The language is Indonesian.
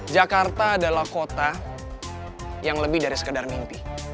jakarta adalah kota yang lebih dari sekedar mimpi